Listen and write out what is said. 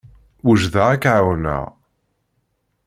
Wejdeɣ ad k-ɛawneɣ.